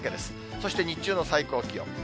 そして日中の最高気温。